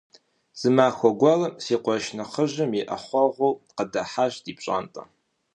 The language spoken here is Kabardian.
Зы махуэ гуэрым си къуэш нэхъыжьым и Ӏэхъуэгъур къыдыхьащ ди пщӀантӀэ.